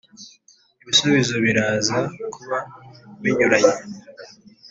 Ibisubizo biraza kuba binyuranye